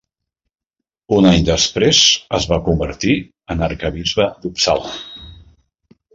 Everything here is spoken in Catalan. Un any després es va convertir en arquebisbe d'Uppsala.